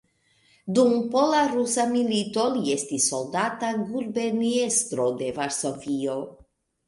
Dum pola-rusa milito li estis soldata guberniestro de Varsovio.